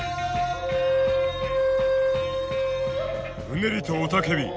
うねりと雄たけび。